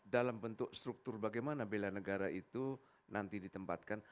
dalam bentuk struktur bagaimana bela negara itu nanti ditempatkan